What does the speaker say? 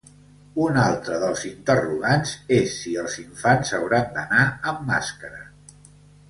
Un altre dels interrogants és si els infants hauran d’anar amb màscara.